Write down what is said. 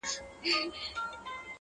هر زړه يو درد ساتي تل,